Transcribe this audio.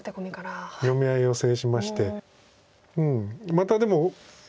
またでも。